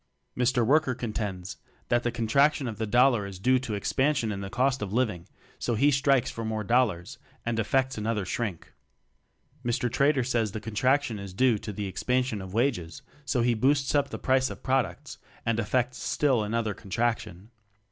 Mr. Worker contends that the con traction of the dollar is due to ex pansion in the cost of living; so he strikes for more dollars, and effects another shrink. Mr. Trader says the contraction is due to the expansion of wages; so he boosts up the price of products, and effects still another contraction.